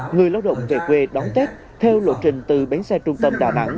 người lao động về quê đón tết theo lộ trình từ bến xe trung tâm đà nẵng